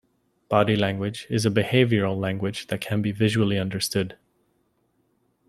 Body language is a behavioral language that can be visually understood.